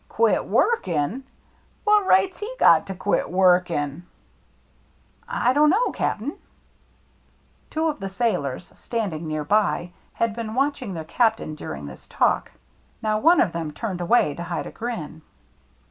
" Quit workin' ! What right's he got to quit workin* ?"" I don't know, Cap'n.' Two of the sailors, standing near by, had been watching their captain during this talk. io8 THE MERRT ANNE Now one of them turned away to hide a grin.